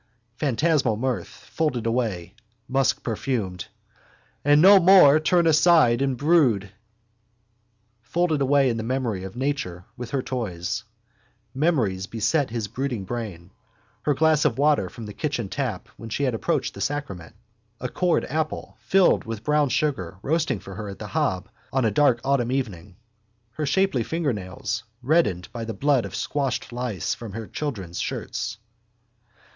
Phantasmal mirth, folded away: muskperfumed. And no more turn aside and brood. Folded away in the memory of nature with her toys. Memories beset his brooding brain. Her glass of water from the kitchen tap when she had approached the sacrament. A cored apple, filled with brown sugar, roasting for her at the hob on a dark autumn evening. Her shapely fingernails reddened by the blood of squashed lice from the children's shirts.